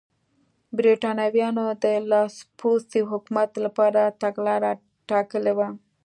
برېټانویانو د لاسپوڅي حکومت لپاره تګلاره ټاکلې وه.